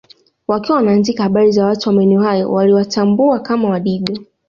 Wakiwa wanaandika habari za watu wa maeneo hayo waliwatambua kama Wadigo